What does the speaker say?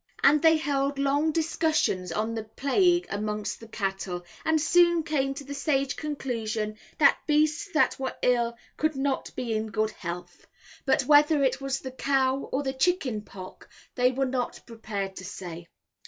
And they held long discussions on the plague among the cattle, and soon came to the sage conclusion, that beasts that were ill could not be in good health; but whether it was the cow or chicken pock they were not prepared to say.